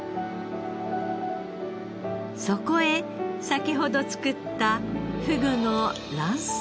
そこへ先ほど作ったふぐの卵巣のソース。